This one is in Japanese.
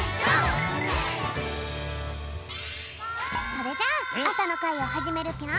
それじゃああさのかいをはじめるぴょん。